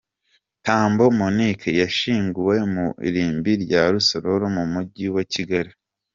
Tambo Monique yashyinguwe mu irimbi rya Rusororo mu Mujyi wa Kigali.